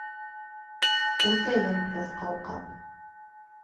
Үтә йәмһеҙ ҡауҡаб.